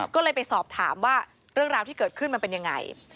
ก็เลยไปสอบถามว่าเรื่องราวที่เกิดขึ้นมันเป็นยังไง